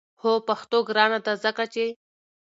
هو پښتو ګرانه ده! ځکه چې